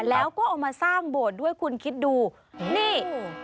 แล้วก็เอามาสร้างโบสถ์ด้วยคุณคิดดูนี่